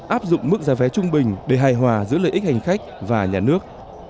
áp dụng mức giá vé trung bình để hài hòa giữa lợi ích hành khách và nhà nước